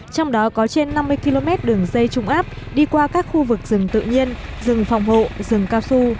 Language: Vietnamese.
trong đó có trên năm mươi km đường dây trung áp đi qua các khu vực rừng tự nhiên rừng phòng hộ rừng cao su